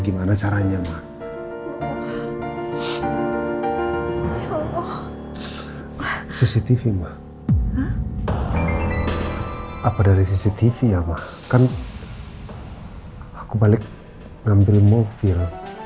gimana caranya ma ya allah maaf cctv ma apa dari cctv ya ma kan aku balik ngambil